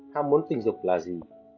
ham muốn tình dục là gì